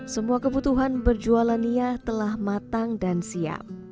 semua kebutuhan untuk menjual nia sudah siap